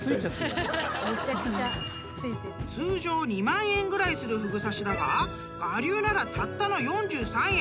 ［通常２万円ぐらいするフグ刺しだが我流ならたったの４３円］